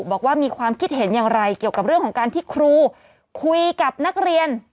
บอกว่ามีความคิดเห็นอย่างไรเกี่ยวกับเรื่องของการที่ครูคุยกับนักเรียน